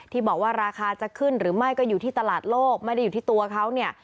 ที่บอกว่าราคาจะขึ้นหรือไม่ก็อยู่ที่ตลาดโลกไม่ได้อยู่ที่ตัวเขาเนี่ย